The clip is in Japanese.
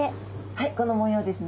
はいこの模様ですね。